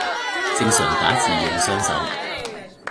正常打字用雙手